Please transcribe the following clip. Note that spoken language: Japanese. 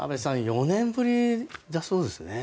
４年ぶりだそうですね。